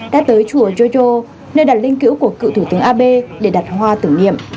đã tới chùa jojo nơi đặt linh cữu của cựu thủ tướng abe để đặt hoa tử nghiệm